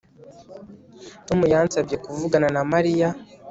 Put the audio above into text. Tom yansabye kuvugana na Mariya